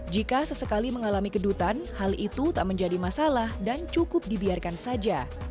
jika sesekali mengalami kedutan hal itu tak menjadi masalah dan cukup dibiarkan saja